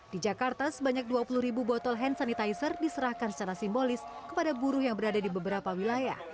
di jakarta sebanyak dua puluh ribu botol hand sanitizer diserahkan secara simbolis kepada buruh yang berada di beberapa wilayah